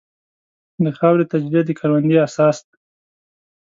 د خاورې تجزیه د کروندې اساس دی.